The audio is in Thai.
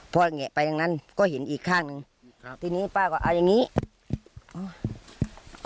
พอแงะไปทางนั้นก็เห็นอีกข้างหนึ่งครับทีนี้ป้าก็เอาอย่างงี้อ๋อ